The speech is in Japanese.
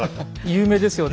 有名ですよね。